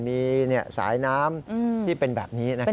มีสายน้ำที่เป็นแบบนี้